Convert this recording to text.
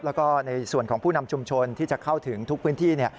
แล้วก็ในส่วนของผู้นำชุมชนที่จะเข้าถึงทุกพื้นที่